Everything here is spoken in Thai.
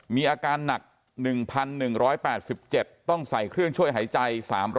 มีอาการหนัก๑๑๘๗ต้องใส่เครื่องช่วยหายใจ๓๐๐